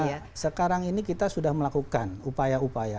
ya sekarang ini kita sudah melakukan upaya upaya